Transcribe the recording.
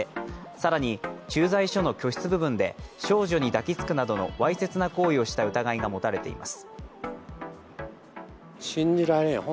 更に、駐在所の居室部分で少女に抱きつくなどのわいせつな行為をした疑いが持たれています。